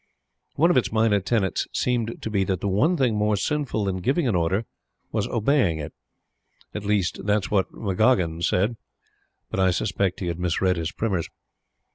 One of its minor tenets seemed to be that the one thing more sinful than giving an order was obeying it. At least, that was what McGoggin said; but I suspect he had misread his primers.